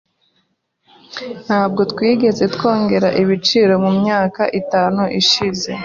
Ntabwo twigeze twongera ibiciro mumyaka itanu ishize.